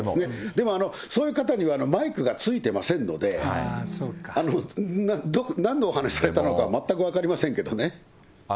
でもそういう方には、マイクが付いてませんので、なんのお話をされたのか、全く分かりませんけどね。